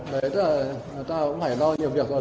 đấy tức là ta cũng phải lo nhiều việc rồi